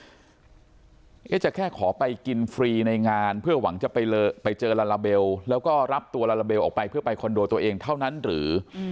จะแค่ขอไปกินฟรีในงานเพื่อหวังจะไปเจอลาลาเบลแล้วก็รับตัวลาลาเบลออกไปเพื่อไปคอนโดตัวเองเท่านั้นหรือ